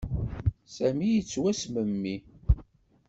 Sami yettwasmemmi.